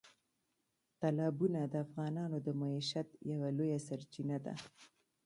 تالابونه د افغانانو د معیشت یوه لویه سرچینه ده.